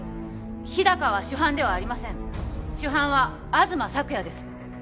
日高は主犯ではありません主犯は東朔也です